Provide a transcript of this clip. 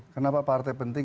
kenapa partai penting